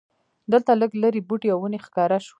دلته لږ لرې بوټي او ونې ښکاره شوې.